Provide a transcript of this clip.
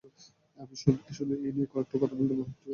আমি শুধু এ নিয়ে একটু কথা বলবো, ঠিক আছে?